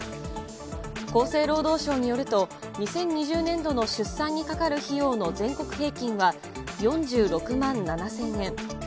厚生労働省によると、２０２０年度の出産にかかる費用の全国平均は４６万７０００円。